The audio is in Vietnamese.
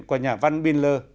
của nhà văn binler